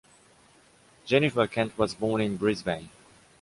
Jennifer Kent was born in Brisbane.